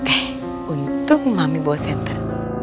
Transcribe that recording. eh untung mami bawa senter